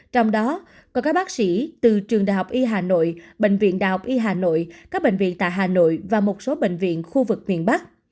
trong đó có các bác sĩ từ trường đh y hà nội bệnh viện đh y hà nội các bệnh viện tại hà nội và một số bệnh viện khu vực miền bắc